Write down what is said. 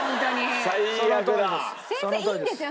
先生いいんですよ。